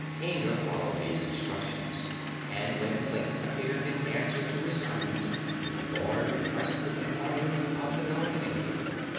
Inga followed these instructions and when Klik appeared in answer to his summons the boy requested an audience of the Nome King.